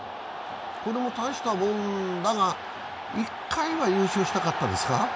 これも大したもんだが、１回は優勝したかったですか？